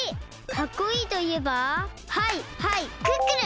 かっこいいといえばはいはいクックルン！